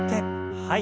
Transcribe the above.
はい。